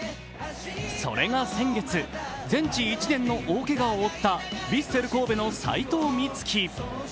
それが先月、全治１年の大けがを負ったヴィッセル神戸の齊藤未月。